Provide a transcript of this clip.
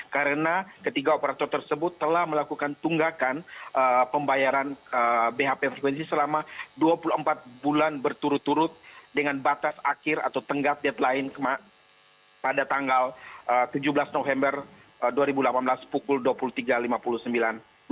karena ketiga operator tersebut telah melakukan tunggakan pembayaran bhp frekuensi selama dua puluh empat bulan berturut turut dengan batas akhir atau tenggak deadline pada tanggal tujuh belas november dua ribu delapan belas pukul dua puluh tiga lima puluh sembilan